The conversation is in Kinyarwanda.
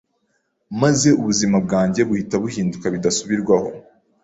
maze ubuzima bwanjye buhita buhinduka bidasubirwaho.